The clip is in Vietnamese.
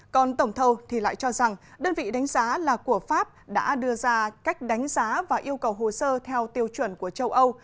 còn tổng thầu thì lại cho rằng đơn vị đánh giá là của pháp đã đưa ra cách đánh giá và yêu cầu hồ sơ theo tiêu chuẩn của châu âu